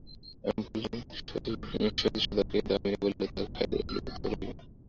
আমি বলিলাম, শচীশদাকে– দামিনী বলিল, তাঁকে খাইতে ডাকিলে বিরক্ত করা হইবে।